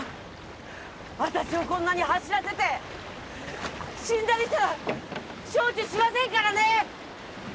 私をこんなに走らせて死んだりしたら承知しませんからね！